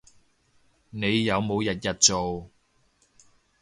你有冇日日做